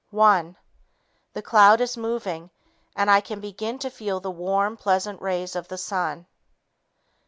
One ... The cloud is moving, and I can begin to feel the warm, pleasant rays of the sun.